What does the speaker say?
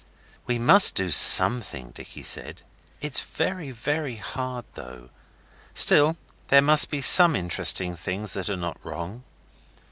'We must do something,' Dicky said; 'it's very very hard, though. Still, there must be SOME interesting things that are not wrong.